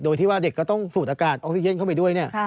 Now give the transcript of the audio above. โดยที่ว่าเด็กก็ต้องสูดอากาศออกซิเจนเข้าไปด้วยเนี่ย